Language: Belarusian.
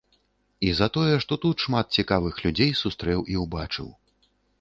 І за тое, што тут шмат цікавых людзей сустрэў і ўбачыў.